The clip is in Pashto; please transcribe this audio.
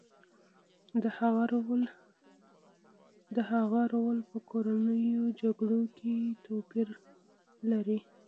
د هغه رول په کورنیو جګړو کې توپیر لري